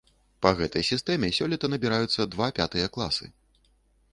Па гэтай сістэме сёлета набіраюцца два пятыя класы.